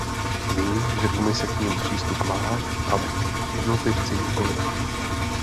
Vím, že Komise k nim přístup má, ale jednotlivci nikoli.